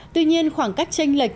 tuy nhiên khoảng cách tranh lệch